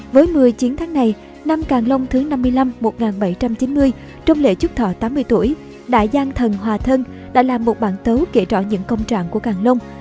với một mươi chiến thắng này năm càng long thứ năm mươi năm một nghìn bảy trăm chín mươi trong lễ chúc thọ tám mươi tuổi đại giang thần hòa thân đã là một bản tấu kể rõ những công trạng của càng long